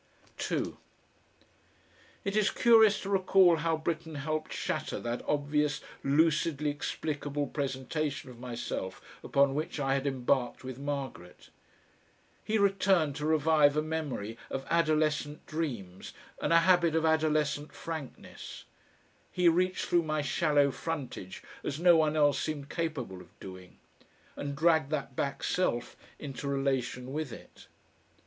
2 It is curious to recall how Britten helped shatter that obvious, lucidly explicable presentation of myself upon which I had embarked with Margaret. He returned to revive a memory of adolescent dreams and a habit of adolescent frankness; he reached through my shallow frontage as no one else seemed capable of doing, and dragged that back self into relation with it.